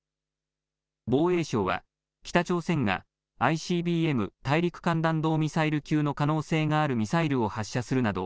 防衛省は、北朝鮮がＩＣＢＭ・大陸間弾道ミサイル級の可能性があるミサイルを発射するなど、